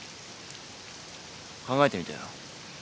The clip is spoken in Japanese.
考えてみてよ。